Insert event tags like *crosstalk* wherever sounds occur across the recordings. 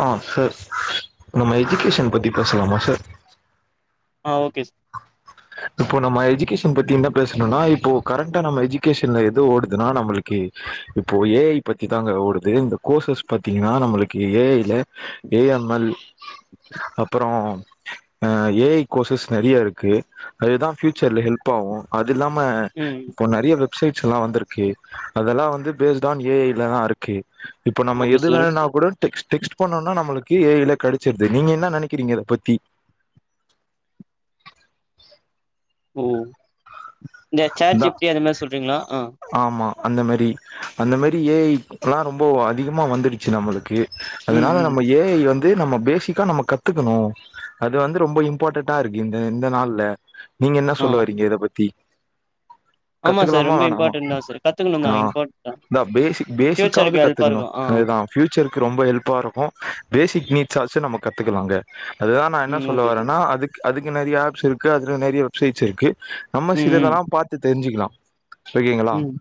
ஆ sir நம்ம education பத்தி பேசலாமா சார்? ஆ ஓகே ஸ் இப்போ நம்ம எஜுகேஷன் பத்தி என்ன பேசணுனா இப்போ கரண்ட்டா நம்ம எஜுகேஷன்ல எது ஓடுதுன்னா நம்மளுக்கு இப்போ ஏ ஐ பத்தி தாங்க ஓடுது இந்த கோர்சஸ் பாத்தீங்கன்னா நம்மளுக்கு ஏ ஐல ஏ எம் எல் அப்றோ அ ஏ ஐ கோர்சஸ் நெறைய இருக்கு அதுதான் பியூச்சர்ல ஹெல்ப் ஆகும் அது அதுஇல்லாம ம் இப்போ நெறைய வெப்சைட்ஸ் எல்லா வந்திருக்கு அதெல்லா வந் இது பேஸ்டான் ஏ ஐல தான் இருக்கு. இப்ப நம்ம ஓகே எது சார். வேணுனா கூட டெக்ஸ் -டெக்ஸ்ட் பண்ணோனா நம்மளுக்கு ஏ ஐ ல கிடைச்சிருது நீங்க என்ன நினைக்கிறீங்க இத பத்தி? ஓ இந்த சேட் தா ஜிப்டி அத மாரி சொல்றீங்களா ஆ ஆமா அந்த மாதிரி அந்த மாதிரி ஏ ஐ எல்லா ரொம்ப அதிகமா வந்துடுச்சு நம்மளுக்கு ம், அதனால ம். நம்ம ஏ ஐ வந் இது நம்ம பேசிக்கா நம்ம கத்துக்கணும் அது வந்து ரொம்ப இம்பார்ட்டட்டா இருக்கு இந்த நாள்ல. நீங்க என்ன ஆ. சொல்ல வறீங்க இத பத் பி ஆமா சார் ரொம்ப இம்பாட்டென் ஆ இதா பேசிக் பேசிக்காது ஃபியூச்சருக்கு ஹெல்ப்பா கத்துகணு இருக்கும். ஆ. அது தா பியூச்சருக்கு ரொம்ப ஹெல்பா இருக்கு பேசிக் நீட் சாசு நம்ம கத்துக்கலா அங்க அதுதா நா என்ன ம் சொல்ல ஓகே சார். வரேன்னா அதுக்கு அதுக்கு நெறைய ஆப்ஸ் இருக்கு அதுல நெறைய வெப்சைட்ஸ் இருக்கு நம்ம ம், சில தெல்லா பாத்து தெரிஞ்சுக்கலா *unintelligible* ம், ம்,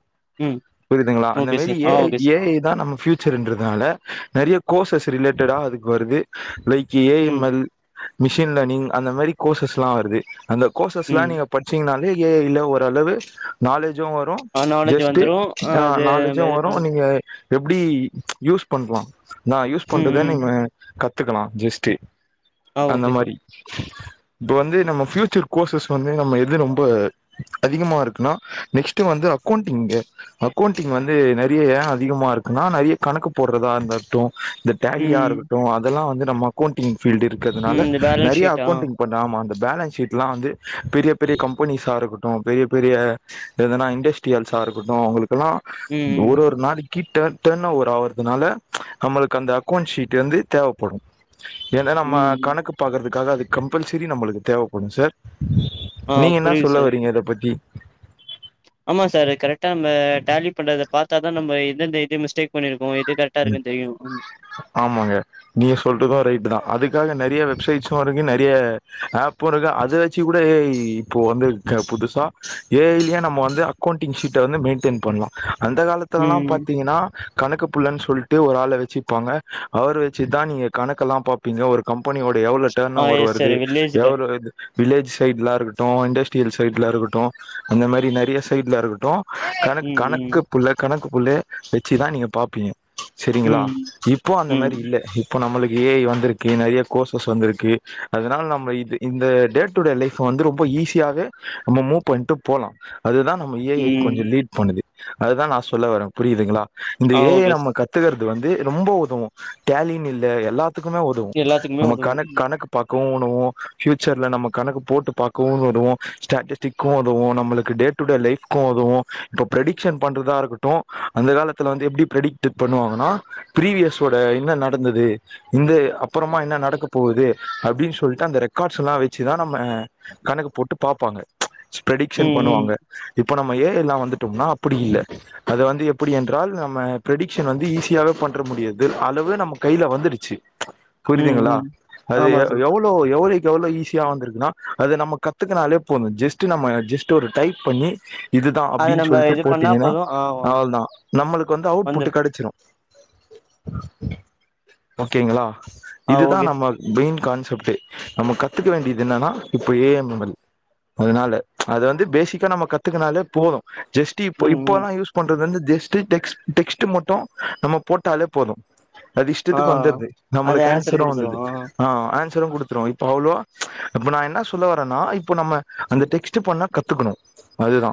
ம். புரிதுங்களா அந்த ஓகே மாரி சார். ஆ ஓகே சார். ஏ ஐ தா நம்ம ஃபியூச்சர்ன்றதுனால நெறைய கோர்சஸ் ரிலேடேடா அதுக்கு வருது லைக் ஏ ஐ எம் ம், எல் மிஷின் லேனிங் அந்த மாரி கோர்சஸ் எல்லா வருது அந்த கோர்சஸ் எல்லா ம். நீங்க பட்ச்சீங்கீனாலே ஏ ஐ ல ஓரளவு நாலேஜு வரு ஆ நாலேட்ஜ் ஜெஸ்ட் வந்துரும். அ ஆ அது நாலேஜு இது வரு பண் நீங்க எப்டி யூஸ் பண்லா நா யூஸ் ம், பண்றத ம். நீமா கத் துக்கலா ஜெஸ்ட்டு ஆ அந்த ஓகே சார். மாரி இப்ப வந்து நம்ம பியூச்சர் கோர்சஸ் வந்து நம்ம இது ரொம்ப அதிகமா இருக்குனா நெக்ஸ்ட் வந்து அக்கௌண்டிங்கு அக்கௌண்டிங் வந்து நெறையா ஏ அதிகமா இருக்குனா நெறைய கணக்கு போட்றதா இருந்தர்ட்டு இந்த ம், டெலியா ம். இருக்கட்டு அதெல்லா வந்து நம்ம அக்கொண்டிங் பீல்டு இருக்கிறதனால இந்த பேலன்ஸ் நெறைய ஷீட் ஆ. அக்கௌண்டிங் பண்ண ஆமா அந்த பேலன்ஸ் சீட்ல்லா வந்து பெரிய பெரிய கம்பெனிசா இருக்கட்டு பெரிய பெரிய எதான இண்டஸ் டியல்சா இருக்கட்டு அவங்களுக் கெல்லா ம், ஒரு ஒரு நாளைக்கி டே டேன் ஓவர் ஆவுறதனால நம்மளுக்கு அந்த அக்கவுண்ட் ஷீட் வந்து தேவப்படு ஏனா ம், நம்ம ம். கணக்கு பாக்கறதுக் காக அது கம்பல்சரி நம்மளுக்கு தேவப்படு சார் ஆ நீங்க என்ன புரியுது சொல்ல சார். வரீங்க இத பத்தி ஆமா சாரு கரெட்டா ம்ம டேலி பண்றத பாத்தா தா நம்ப எந்த எது மிஸ்டேக் பண்ணிருக்கோ ஏ ம் ஆமாங்க நீங்க சொல்றதூ ரைட்டு தா அதுக்காக நறியா வெப்சைட்ஸு இருக்கு நறிய ஆப்பு இருக் அது வெச்சு கூட ஏ ஐ இப்போ வந்து அ புதுசா ஏ ஐலே நம்ம வந்து அக்கவுண்ட்டிங் ஷீட்ட வந்து மெயின்டன் பண்லா அந்த காலத்துலல்லா ம் பாத்தீங்கன்னா கணக்கு புள்ளன் சொல்ட்டு ஒரு ஆள வெச்சிப்பாங்க அவர் வெச்சுதா நீங்க கணக்கெல்லா பாப்பீங்க ஒரு கம்ப் பனியோட எவ்ளோ டர்ன் ஆ ஓவர் எஸ் வருது சார் வில்லேஜ்ல எவ்வளவு இது வில்லேஜ் சைட்லா இருக் ட்டோ இண்டஸ்ட்ரியல் சைட்ல இருக்கட்டோ அந்த மாரி நறிய சைட்ல இருக்கட்டோ கணக் ம் ம் கணக்கு புள்ள கணக்கு புள்ளே வெச்சி தா நீங்க பாப் பிங்க சரிங்களா ம் இப்போ அந்த மாரி ம் இல்ல இப்போ நம்மளுக்கு ஏ ஐ வந்துருக்கு நறையா கோர்சஸ் வந்துருக்கு அதனால நம்ம இது இந்த டே டு டே லைஃப்ப வந்து ரொம்ப ஈஸியாவே நம்ம மூவ் பண்ட்டு போலா அதுதா நம்ம ஏ ஐ ம் கொஞ்சோ லீட் பண்ணுது அதுதா நா சொல்ல வரே புரிதுங்குளா இந்த ஆ ஏ ஐ ஓகே நம்ம சார் கத்துக்கற் து வந்து ரொம்போ உதவு டேலின் இல்ல எல்லா த்துக்குமே உதவு எல்லாத்துக்குமே நம்ம உதவு கணக் கணக்கு பாக் கோணு ஃபியூச்சர்ல நம்ம கணக்கு போட்டு பாக்கவு உதவு ஸ்டேட்டஸ்டிக்கு உதவு நம்மளுக்கு டே டு டே லைஃப்கூ உதவு இப்ப பிரட்டிக்சன் பண்றதா இருக்கட்டூ அந்த காலத்துல வந்து எப்டி பிரட்டி டிக் பண்ணுவாங்கன்னா ப்ரீவியஸோட என்ன நடந்தது இந்த அப்புறமா என்ன நடக்க போகுது அப்டின்னு சொல்ட்டு அந்த ரெக்கார்ட்ஸ்ஸெல்லா வெச்சுதா நம்ம கணக்கு போட்டு பாப்பாங்க ஸ்பேடிக்ஷன் ம் ம் பண்ணுவாங்க இப் இப்ப நம்ம ஏ ஐ ல்லா வந்துட்டோம்னா அப்புடி இல்ல அது வந்து எப்புடி என்றால் நம்ம ப்ரெடிக்ஷன் வந்து ஈஸியாவே பண்ற முடியாது அளவு நம்ம கைல வந்துடுச்சு ம் புரியதுங்களா ம் அது ஆமா அ சார் எவ்ளோ எவ்ளோக் எவ்வளோ ஈஸியா வந்துருக்குன்னா அத நம்ம கத்துக்குனாலே போது ஜேஸ்ட்டு நம்ம ஜேஸ்ட்டு ஒரு டைப் பண்ணி இதுதா அத அப்டின்னு நம்ம சொல்ட்டு இது பண்ணா போட்டீங்கின்னா போது ஆ அவள்தா நம்மளுக்கு வந்து அவுட் பூட்டு வந்துரு கடிச்சுரு ஓகேங்களா ஆ இதுதா ஓகே நம்ம சார் பெயின் கான் சொப்டே நம்ம கத்துக்க வேண்டியது இன்னான்னா இப்ப ஏ ஐ மெம்மரி அதனால அது வந்து பேசிக்கா நம்ம கத்துக்குனாலே போதூ ஜெஸ்ட்டு இப்போ ம் ம் இப்போல்லா யூஸ் பண்றது வந்து ஜெஸ்ட்டு டெக்ஸ் ம் டெக்ஸ் ட்டு மட்டூ நம்ம போட்டாலே போதூ அது ஆ இஷ்டத்துக்கு வந்துட்து அது நம்மளுக் ஆன்சர் அன்சரூ குடுத்துரு வந்துட்து ஆ அன் குடுத்துரு இப்ப அவ்ளோ இப்ப நா என்ன சொல்ல வரனா இப்ப நம்ம அந்த டெக்ஸ்ட்டு பண்ண கத்துக்கணு அதுதா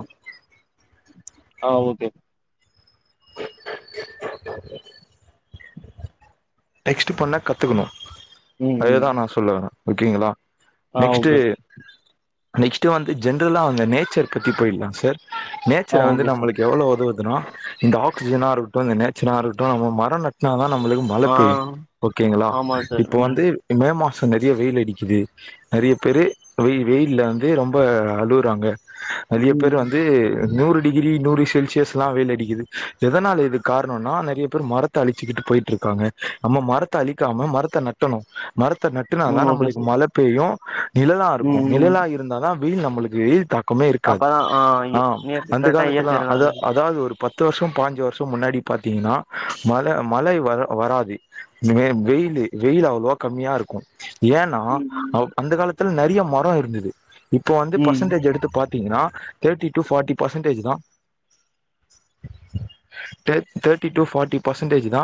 ஆ ஓகே டெக்ஸ்ட் பண்ண கத்துக்கணு ம் ம் அதேதா நா சொல்ல வர ஓகேங்களா ஆ ஓகே சார் நெக்ஸ்ட்டு வந்து ஜென்ரலா அந்த நேச்சர் பத்தி போயிடலா சார் ஆ நேச்சர வந்து ஓகே சார் நம்மளுக்கு எவ்வளோ உதவு துனா இந்த ஆக்சிஜனா இருக்கட்டு இந்த நேச்சனா இருக்கட்டு நம்ம மர நட்னா தா நம்முளுக்கு மழ ஆ பேயு ஓகேங்களா ஆமா சார் இப்ப ம் வந்து மே மா ச நறைய வெயில் அடிக்குது நறைய பேரு வெ வெயி ல்ல வந்து ரொம்ப அழுறாங்க நெறைய பேர் ம் வந்து நூறு டிகிரி நூறு செல்சியஸ் எல்லா வெயில் அடிக்குது எதனால இது காரணொனா நறைய பேர் மரத்த அழிச்சுகிட்டு போயிட்ருக்காங்க நம்ம மரத்த அழிக்காம மரத்த நட்டணு மரத்த நட்டுனா தா ம் ஓகே நம்மளுக்கு சார் மழ பேயு நிழலா இருக்கு ம் ம் நிழலா இருந்தாதா வெயில் நம்முளுக்கு வெயில் தாக் கமே இருக்காது ஆ இயற் அந்த கரெக்டா காலத்துலா இயற்கை நல்லா அதா இருக்கு அதாது ஒரு பத்து வருஷோ பாஞ்சு வருஷோ முன்னாடி பாத்திங்னா மழ மழை வர வராது இந்த வெ வெயிலு வெயில் அவ்ளவா கம்மியா இருக்கு ஏன்னா ம் அவ் அந்த கால துல நறைய மர ல்லா இருந்துது இப்ப வந்து ம் பர்சன்டேஜ் எடுத்து பாத் திங்னா தேட்டி டூ ஃபாட்டி பர்சன்டேஜ் தா தே தேட்டி டு ஃபாட்டி பர்சன்டேஜ் தா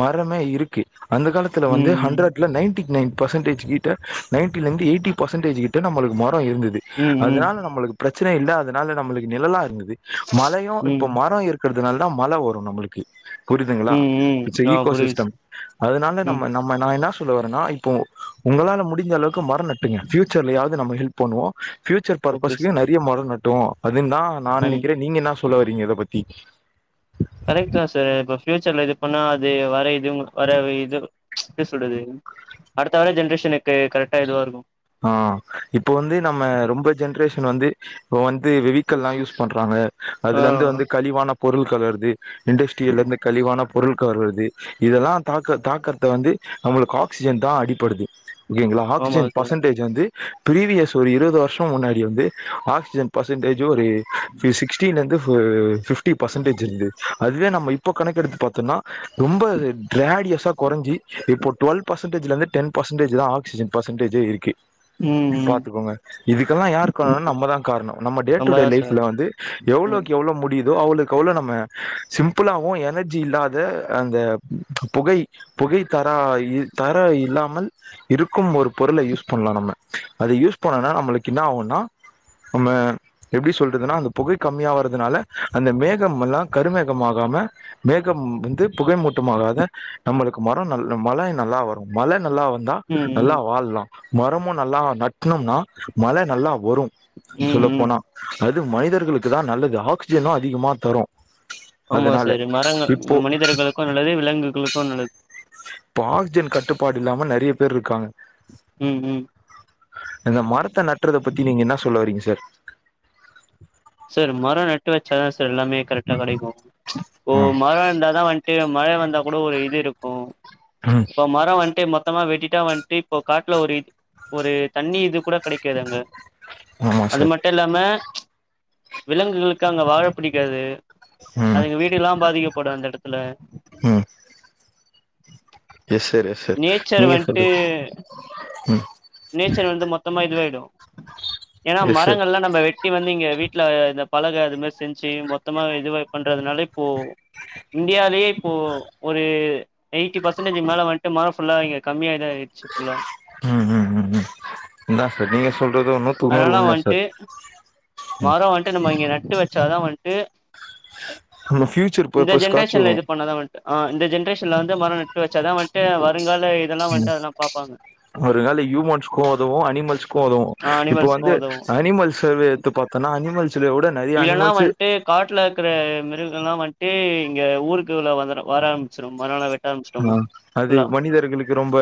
மரமே இருக்கு அந்த காலத்துல வந்து ம் ஹண்ட்ரட்ல நைன்டிக் நைன் பெர்சன்டேஜ் கிட்ட நைன்டில இருந்து எய்ட்டி பர்சன்டேஜ் கிட்ட நம்மளுக்கு ம ரோ இருந்துது ம் ம் ம் அதனால நம்மளுக்கு பிரச்சன இல்ல அதனால நம்மளுக்கு நிழலா இருந்துது மழயு ம் இப்ப மரோ இருக் க்கறதுனால தா மழ வரு நம்முளுக்கு புரிதுங்ளா ம் இட்ஸ் ம் அ ஆ ஈகோ புரியுது சிஸ்டம் சார் அதனால ம் நம்ம நம்ம நா என்னா சொல்ல வரன்னா இப்போ உங்களால முடிந்த அளவுக்கு மர நட்டுங்க ஃபியூ ச்சர்லயாவது நம்ம ஹெல்ப் பண்ணுவோ பியூச்சர் ஓகே ப்ர்பஸ்க்கு சார் நறைய மர நட் டோ அதையும் தா நா ம் நெனைக்கிறே நீங்க என்னா சொ சொல்ல வரீங்க இத பத்தி கரெக்ட் தா சர் இப்ப ஃபியூச்சர்ல இது பண்ணா அது வர இதும் வர இது எப்டி சொல்றது அடுத்த வர ஜென்ரேஷன்னுக்கு கரெக்ட்டா இதுவாருக்கு ஆ இப்போ இப்போ வந்து வெவிக்கல்லா யூஸ் பண்றாங்க ஆ அதுலந்து வந்து கழிவான பொருள் கலர்தே இண்டஸ்ட்ரிலர்ந்து கழிவான பொருள்க வருவது இதல்லா தாக்க தாக்கற்த வந்து அவுங்களுக்கு ஆக்சிஜன் தா அடிப்படுது ஓகேங்ளா ஆமா ஆக்ஸிஜன் சார் பஸ்சன்டேஜ் வந்து பிரீவியஸ் ஒரு இருவது வருஷோ முன்னாடி வந்து ஆக்ஸிஜன் பர்சன்டேஜ் ஜி ஒரு ஃபி சிக்ஸ்டீன்லந்து ஒரு ஃபிப் ட்டி பர்சன்டேஜ் இருந்தது அதுவே நம்ம இப்போ கணக்கெடுத்து பாத்தொன்னா ரொம்ப ட்ராடியஸா கொறஞ்சி இப்போ டுவல் பர்சன்டேஜிலந்து டென் பர்சன்டேஜ் தா ஆக்ஸிஜன் பர்சன்டே ஜே இருக்கு ம் ம் பாத்துக்கோங்க இதுக்கல்லா யாரு கார்ணோ ஓகே நம்ம தா காரணோ நம்ம டேட் டூடே நம்மதா சார் லைஃபுல வந்து ம் எவ்ளோக்கி எவ்ளோ முடியுதோ அவ்ளோக் கவ்ளோ நம்ம சிம்ப்புளாவு எனர்ஜி இல்லாத அந்த புகை புகை தரா இ தர இல்லாமல் இருக்கும் ஒருப் பொருளை யூஸ் பண்லா நம்ம அது யூஸ் பண்ணன்னா நம்முளுக்கின்னா ஆவுன்னா நம்ம எப்டி சொல்றதுனா அந்த புகை கம்மியா வறதுனால அந்த மேகம்மல்லா கருமேகம்மாகாம மேகம் வந்து புகை மூட்டமாகாத நம்முளுக் மரோ நல் மழ நல்லா வரும் மழ நல்லா வ ந்தா ம் நல்லா ம் வாழ் மரோமு நல்லா நட் ட்னேம்னா மழ நல்லா வரும் ம் சொல்லப் ம் போனா அது மனிதர்களுக்கு தா நல்லது ஆக்ஸிஜனு அதிகமா தரு ஆமா அதனால செரி மரங்க இப்போ மனிதர்களுக்கு நல்லது விலங்குகளுக் கோ நல்லத் இப்போ ஆக்ஜன் கட்டுப் ப்பாடு இல்லாம நெறைய பேர்ருக்காங்க ம் ம் இந்த மரத் த நற்றத பத்தி நீங்க இன்னா சொல்ல வரீங்க சார் சார் மரோ நட்டு வச்சாதா சார் எல்லாமே கரெக்ட்டா கடைக்கு ஓ ஆ மரோ இர்ந்தாதா வன்ட்டு மழை வந்தா கூடோ ஒரு இது இருக்கூ ம் இப்ப மரோ வந்ட்டு மொத் தமா வெட்டிட்டா வந்ட்டு இப்போ காட்ல ஒரு இத் ஒரு தண்ணி இதுக்குட கடைக்காது அங்க ஆமா அது சார் மட்டூ இல்லாம விலங்குகளுக்கு அங்க வாழ பிடிக்காது ம் அதுங்க வீடுல்லா பாதிக்கப்படு அந்த எடத் இல்ல ம் yes sir yes sir nature நீங்க வந்துட்டு சொல்றது ம் நேச்சர் வந்து மொத்தமா இதுவாயிடு ஏனா எஸ் சார் மரங்கள்லா நம்ம வெட்டி வந்து இங்க வீட்ல இந்த பலக அது மாரி செஞ்சு மொத்தமா இதுவ பண்றதுனால இப்போ இன்டியாலயே இப்போ ஒரு எயிட்டி பர்சன்டேஜ்க்கு மேல வந்ட்டு மர ஃபுல்லா இங்க கம்மி ஆயி டுச்சு ஃபுல்லா ம் ம் ம் ம் அதா சார் நீங்க சொல்றது நூத்துக்கு நூறு அதனால உண்ம சார் வந்துட்டு ம் ட்டு வெச்சாதா வன்ட்டு நம்ம ஃபியூச்சர் இந்த பர்பஸ்காச்சு ஜென்ரேஷன்ல இது பண்ணாதா வன்ட்டு அ இந்த ஜென் ஃபியுச்சர்ல வந்து மர நட்டு வெச்சாதா வன் ட்டு வருங்கால இதெல்லா வன்ட்டு அதெல்லா பாப்பாங்க இதுனால ஹியூமன்ஸ்க்கு உதவு அனிமல்ஸ்க்கு உதவு ஆ இப்ப வந்து அனிமல்ஸ்க்கும் அனிமல் சர்வே எத்து பாத்தனா அனிமல் இல்லனா வன்ட்டு காட்ல இருக்குற மிருகல்லா வன் ட்டு இங்க ஊருக்குள்ள வந்துரு வர ஆரம்பிச்சுரு மரலா வெட் அ அது மனிதர்களுக்கு ரொம்ப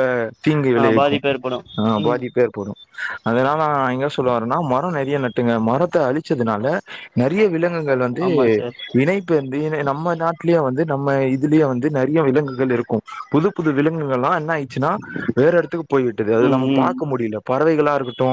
தீங்கு ஆ விளைவிக்கு பாதிப்பு ஏற்படும் அ ம் பாதிப்பு ஏற்படு அதனால என்ன சொல்லுவாருனா மரோ நெறியா நட் டுங்க மரத்த அழிச்சதுனால நறிய வில கங்கள் வந்து ஆமா சார் இணைப்பு *unintelligible* நம்ம நாட் ட்லேயே வந்து நம்ம இதுலயே வந்து நறிய விலங்குகள் இருக் கு புது புது விலங்குகள்லா என்ன ஆயிச்சுன்னா வேற எடத்துக்கு போய் விட்டுது அது ம் இல்லாம ம் பாக்க முடில பறவைகளா இருக்கட்டு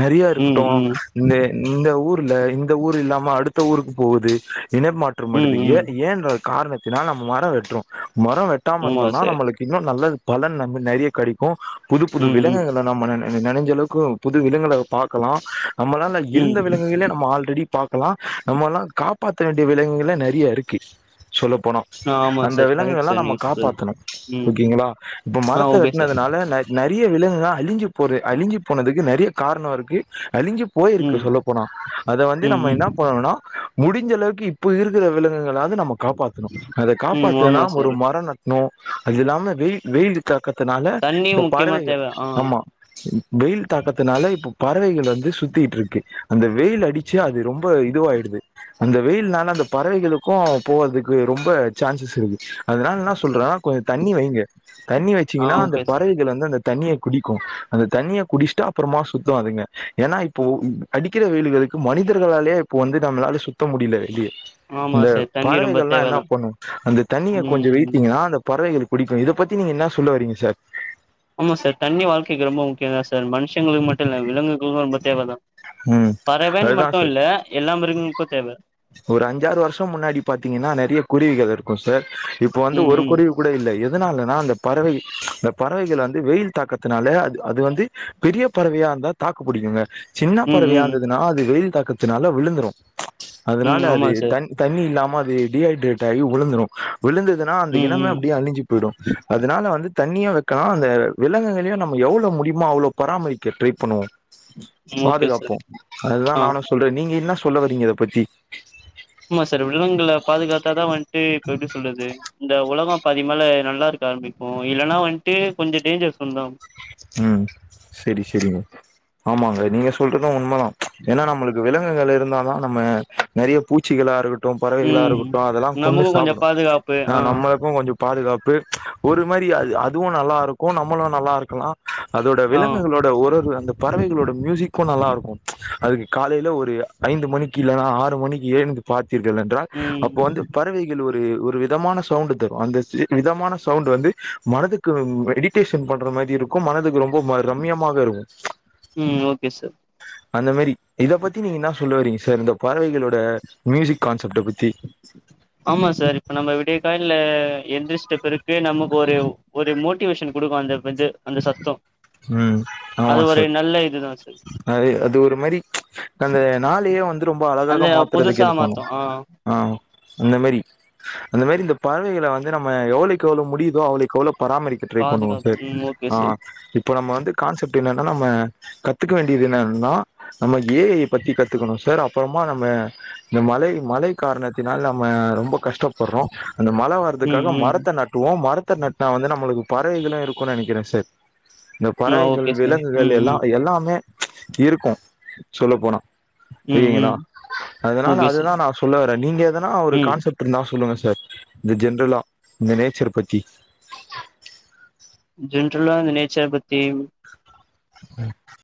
நரியா ம் இருக்கட்டு ம் இந்த இந்த ஊர் புல்ல இந்த ஊர் இல்லாம அடுத்த ஊருக்கு போகுது சினை மாற்றம் வருது ம் எ ம் ஏன்ற காரணத்தினால் நம்ம மரோ வெட்ரோ மரோ ட்டாம ஆமா இருந்தோனா சார் நம்மளுக்கு இன்னோ நல்லது பலன் நம்ம நறிய கெடக்கு புது புது ம் ம் விலங்குகள நம்ம நன நினைஞ்ச அளவுக்கு புது விலங்களை பாக்கலா நம்மளால ம் இருந்த விலங்குகளிலே நம்ம ஆல்ரெடி பாக்கலா நம்ம எல்லா காப்பாத்த வேண்டிய விலங்குகள்லே நிறைய இருக்கு சொல்ல போனா ஆ ஆமா அந்த சார் விலங்கு கரெக்ட் எல்லாம் சார் நம்ம நீங்க காப்ப சொல்றது பார்த்தலும் ம் ஓகேங்களா இப்ப ஆ மரத்தை ஓகே சார் வெட்னதுனால நறைய விலங்கு அழிஞ்சு போ அழி்சு போனது நிறைய காரணம் இருக்கு அழிஞ்சு போயிருக்கு ம் சொல்ல போனா அதை வந்து ம் நம்ம ம் என்ன பண்ணணும்னா முடிஞ்சளவுக்கு இப்போ இருக்கிற விலங்குகலா வந்து நம்ம காப்பாத்தணும் அதை ம் காப்பாத்துனா ஆமா ஒரு சார் மர நட் ன்னும் அது இல்லாம வெய வெயில் தாக்க அதனால தண்ணி இப்ப முக்கியமா பறவைகள் தேவ ஆ ஆம்மா வெயில் தாக்கத்துனால இப்ப பறவைகள் வந்து சுத்தட்டு இருக்கு அந்த வெயில் அடிச்சு அது ரொம்ப இதுவாயிடுது அந்த வெயில்னால அந்த பறவைகளுக்கு போவறதுக்கு ரொம்ப சான்சஸ் இருக்கு அதனால என்ன சொல் கொஞ்சம் தண்ணி வைங்க தண்ணி ஆ வச்சீங்கன்னா அந்த ஓகே சார் பறவைகள் வந்து அந்த தண்ணிய குடிக்கு அந்த தண்ணியை குடிச்சுட்டா அப்புறமா சுத்தம் அதுங்க ஏன்னா இப்போ அடிக்கிற வெயில்களுக்கு மனிதர்களாலேயே இப்போ வந்து நம்மளால சுத்த முடியல வெளிய ஆமா இந்த சார் தண்ணி ரொம்ப பறவைகள்லாம் என்ன தேவதா பண்ணு அந்த தண்ணிய கொஞ்சம் வே ம் பறவைகள் குடிக்கு இதை பத்தி நீங்க என்ன சொல்ல வரீங்க சார் ஆமா சார் தண்ணி வாழ்க்கைக்கு ரொம்ப முக் சார் மனுஷங்களுக்கு மட்டும் இல்ல விலங்குகளுக்கு ரொம்ப தேவ தான் ம் பறவேன்னு அதுதா சார் மட்டும் இல்ல எல்லா மிருகங்களுக்கு தேவ ஒரு அஞ்சாறு வருஷம் முன்னாடி பாத்தீங்கன்னா நிறைய குருவிகள் இருக்கு சர் இப்ப வந்து ம் ஒரு ம் குருவி கூட இல்ல எதனாலனா அந்த பறவை இந்த பறவைகளை வந்து வெயில் தாக்கத்துனால அ அது வந்து பெரிய பறவையா இருந்தா தாக்கு புடிக்குங்க சின்ன ம் பறவையா ம் இருந்ததுனா அது வெயில் தாக் த்தினால விழுந்துரு அதனால ம் அது ஆமா த சார் தண்ணி இல்லாம டிஹைட்ரேட் ஆகி உழுந்துரு விழுந்ததுனா அந்த ம் இனம ம் அப்படியே அழிஞ்சு போயிடு அதனால வந்து தண்ணியா வக்கலா அந்த விலங்குகளையு நம்ம எவ்வளவு முடியுமோ அவ்வளோ பராமரிக்க ட்ரை பண்ணுவோ ஓகே சார் பாதுகாப்போ அதுதா ஆ நானு சொல்றே நீங்க என்னா சொ சொல்ல வரீங்க இத பத்தி ஆமா சார் விலங்குகள பாதுகாத்தாதா வந்ட்டு ‌இப்ப எப்படி சொல்றது இந்த உலகோ அப்ப அதிகமால நல்லா இருக்க ஆரம்பிக்கு இல்லன்னா வந்ட்டு கொஞ்சம் டேஞ்சர்ஸ் வந்துறும் ம் சரி சரிங்க ஆமாங்க நீங்க சொல்றது உண்ம தா ஏனா நம்முளுக்கு விலங்குகள் இருந்தாதா நம்ம நறைய பூச்சிகளா இருக்கட் டு பறவைகளா ம் இருக்கட்டு அதெல்லா கொண்ணு நமக்கு கொஞ்சோ சாப்பிடும் பாதுகாப்பு ஆ நம்ம எப்பவு கொஞ்சம் பாதுகாப்பு ஒரு மாரி அது அதுவு நல்லா இருக்கு நம்முளு நல்லா இருக்கலா அதோட ஆ விலங்குகளோட ஒரு ஒரு அந்த பறவைகளோட மியூசிக்கு நல்லா இருக்கும் அதுக்கு காலைல ஒரு ஐந்து மணிக்கு இலல்லனா ஆறு மணிக்கு எழுந்து பாத் திர்கள் என்றால் ம் அப்போ வந்து பறவைகள் ஒ ரு ஒரு விதமான சவுண்ட் தரு அந்த விதமான சவுண்ட் வந்து மனதுக்கு மெடிடேஷன் பண்ற மாரி இருக் க்கும் மனதுக்கு ரொம்பவே ரம்யமாக இருக்கு ம் ஓகே சார் அந்த மாரி இத பத்தி நீங்க என்னா சொல்ல வரீங்க சார் இந்த பறவைகளோட மியூசிக் கான்செப்ட பத்தி ஆமா சார் இப்ப நம்ம விடியக் காலைல எந்திரிச்சிட்ட பிறகு நமக்கு ஒரு ஒரு மோட்டிவேஷன் கொடுக்கு அந்த இது அந்த சத்தம் ம் ஆமா சார் இதுதா சார் அது அது ஒரு மாரி அந்த நாளையே வந்து ரொம்ப அழகாக அந்த மாத்துரதுக்கு புதுசா ஹெல்ப் பண்ணு மாத்து ஆ ஆ அந்த மாரி அந்த மாரி இந்த பறவைகள வந்து நம்ம எவ்வளோய்க்கு எவ்ளோ முடியுதோ அவ்ளோய்க்கு அவ்ளோ பராமரிக்க ட்ரை பண்ணுவோ பாதுகாப்பு சார் ம் ஓகே ஆ சார் நம்ம வந்து கான்செப்ட் என்னனா நம்ம கத்துக்க வேண்டியது என்னன்னா நம்ம ஏ ஐ பத்தி கத்துக்கணு சார் அப்றமா நம்ம இந்த மழை மழை காரணத்தினால் நம்ம ரொம்ப கஷ்டப்படுறோ அந்த மழ ம் வர்ரதுக்காக ம் மரத்த நட்டுவோ மரத்த நட்டா வந்து நம்முளுக்கு பறவைகள்லா இருக்குன்னு நெனைக்கிறே சார் இந்த ஆ பறவைகள் ஓகே சார் விலங்குகள் ம் எல்லா ம் எல்லாமே இருக்கு சொல்ல போனா ம் சரிங்களா ம் அதனால ஓகே அது தா சார் நா சொல்ல வறே நீங்க எதனா ஒரு ம் கான்செப்ட் இருந்தா சொல்லுங்க சார் இந்த ஜென்ரலா இந்த ‌நேச்சர் பத்தி ஜென்ரலா இந்த நேச்சர் பத்தி ம்